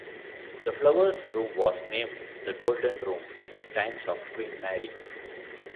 The Flowers' Room was named the Golden Room in the times of Queen Marie.